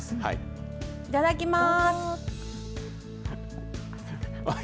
いただきます。